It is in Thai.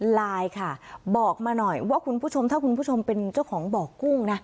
ไลน์ค่ะบอกมาหน่อยว่าคุณผู้ชมถ้าคุณผู้ชมเป็นเจ้าของบ่อกุ้งนะ